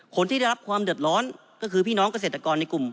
คนที่ได้รับความเดือดร้อนก็คือพี่น้องเกษตรกรในกลุ่ม